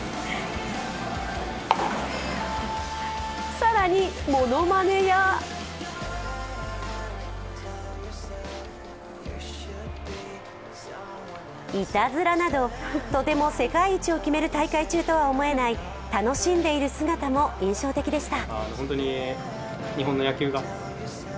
更に、ものまねや、いたずらなど、とても世界一を決める大会中とは思えない楽しんでいる姿も印象的でした。